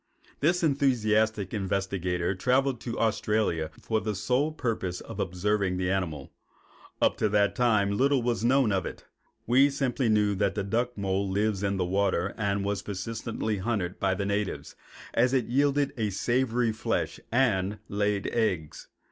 This enthusiastic investigator traveled to Australia for the sole purpose of observing the animal. Up to that time little was known of it. We simply knew that the duck mole lives in the water and was persistently hunted by the natives, as it yielded a savory flesh and laid eggs.